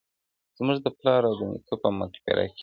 • زموږ د پلار او دنیکه په مقبره کي,